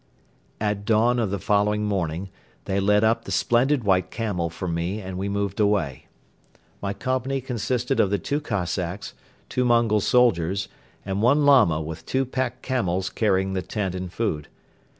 At dawn of the following morning they led up the splendid white camel for me and we moved away. My company consisted of the two Cossacks, two Mongol soldiers and one Lama with two pack camels carrying the tent and food.